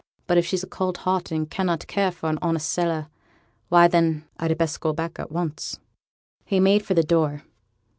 But if she's a cold heart and cannot care for a honest sailor, why, then, I'd best go back at once.' He made for the door.